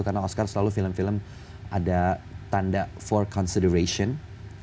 karena oscar selalu film film ada tanda untuk dipertimbangkan